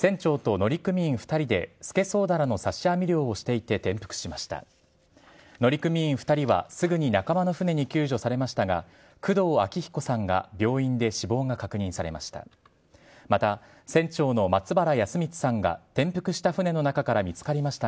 乗組員２人はすぐに仲間の船に救助されましたが、工藤昭彦さんが病院で死亡が確認されました。